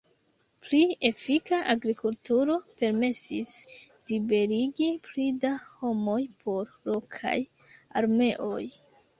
Pli efika agrikulturo permesis liberigi pli da homoj por lokaj armeoj.